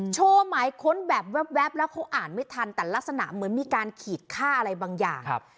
หมายค้นแบบแว๊บแล้วเขาอ่านไม่ทันแต่ลักษณะเหมือนมีการขีดค่าอะไรบางอย่าง